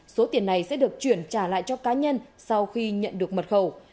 số tiền này sẽ được chuyển trả lại cho cá nhân sau khi nhận được mật khẩu